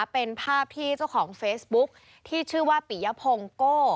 เป็นภาพที่เจ้าของเฟซบุ๊คที่ชื่อว่าปิยพงโก้